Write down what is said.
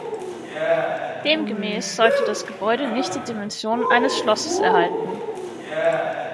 Demgemäß sollte das Gebäude nicht die Dimensionen eines Schlosses erhalten.